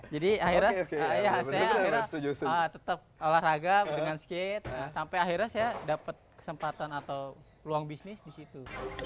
jadi akhirnya saya tetap olahraga dengan skate sampai akhirnya saya dapat kesempatan atau ruang bisnis di situ